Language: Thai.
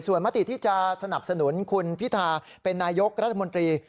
ส่วนมติที่จะสนับสนุนคุณพิธาเป็นนายกรัฐมนตรี